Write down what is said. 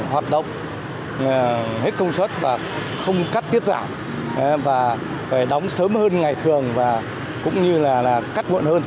hoạt động hết công suất và không cắt tiết giảm và phải đóng sớm hơn ngày thường và cũng như là cắt muộn hơn